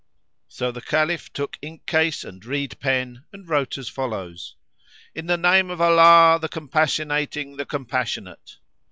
So the Caliph took ink case and reed pen and wrote as follows,—"In the name of Allah, the Compassionating, the Compassionate!